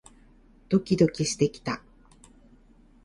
ドキドキしてきた